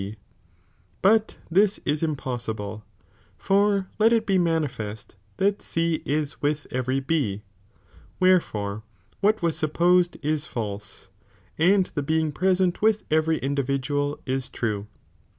"^ B, but this is impossible, for let it be manifest that C is with every B, wherefore what was supposed is false, and the being present with every individual is true.